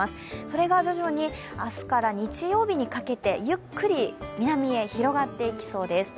それが徐々に明日から日曜日にかけて、ゆっくり南に広がっていきそうです。